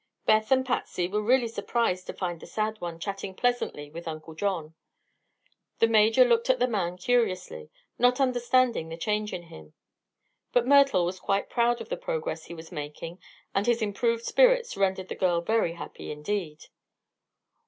Beth and Patsy were really surprised to find the "Sad One" chatting pleasantly with Uncle John. The Major looked at the man curiously, not understanding the change in him. But Myrtle was quite proud of the progress he was making and his improved spirits rendered the girl very happy indeed.